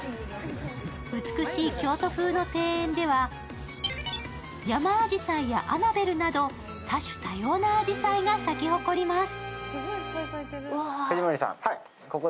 美しい京都風の庭園では山あじさいやアナベルなど多種多様なあじさいが咲き誇ります。